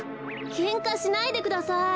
けんかしないでください。